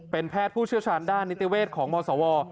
เป็นแพทย์ผู้เชี่ยวชาญด้านนิติเวศของมศว